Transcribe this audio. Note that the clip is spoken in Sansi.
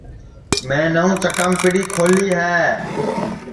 میں نوں چکام پیڑی کھولی ہے